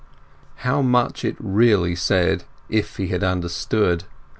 How much it really said if he had understood!